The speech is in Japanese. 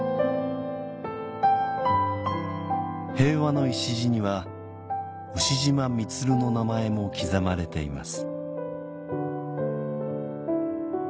平和の礎には「牛島満」の名前も刻まれています